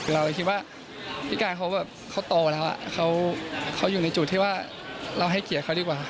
เราเลยคิดว่าพี่การเขาแบบเขาโตแล้วเขาอยู่ในจุดที่ว่าเราให้เกียรติเขาดีกว่า